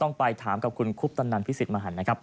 ต้องไปถามกับคุณครูปตันนั้นพี่ศิษย์มหันธ์